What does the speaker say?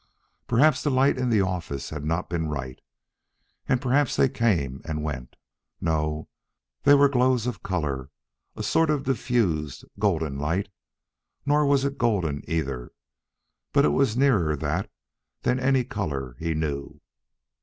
Perhaps the light in the office had not been right, and perhaps they came and went. No; they were glows of color a sort of diffused, golden light. Nor was it golden, either, but it was nearer that than any color he knew.